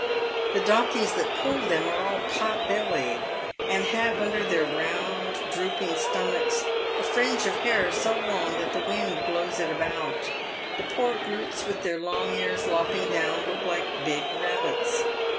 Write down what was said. The donkeys that pull them are all pot bellied, and have under their PAYED WITH GOLD. 137 round, drooping stomachs a fringe of hair so long that the wind blows it about. The poor brutes, with their loug ears lopping down, look like big rabbits.